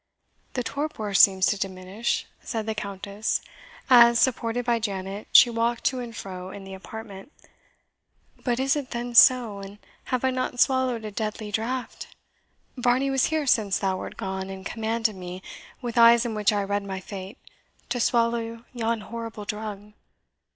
"The torpor seems to diminish," said the Countess, as, supported by Janet, she walked to and fro in the apartment; "but is it then so, and have I not swallowed a deadly draught? Varney was here since thou wert gone, and commanded me, with eyes in which I read my fate, to swallow yon horrible drug.